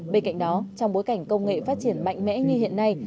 bên cạnh đó trong bối cảnh công nghệ phát triển mạnh mẽ như hiện nay